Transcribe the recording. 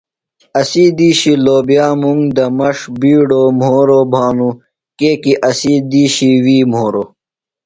اسی دِیشی لوبِیا، مُنگ، دمݜ بِیڈوۡ مھوروۡ بھانوۡ کیۡکی اسی دیشی وی مھورو۔